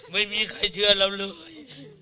ไม่มีใครเชื่อเราเลย